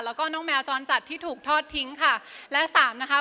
แล้วก็น้องแมวจรจัดที่ถูกทอดทิ้งค่ะและสามนะคะ